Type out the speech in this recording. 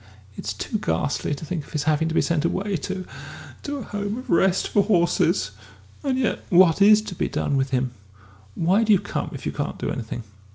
It's too ghastly to think of his having to be sent away to to a Home of Rest for Horses and yet what is to be done with him?... Why do you come if you can't do anything?"